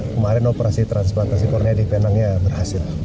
kemarin operasi transplantasi kornea di penangnya berhasil pak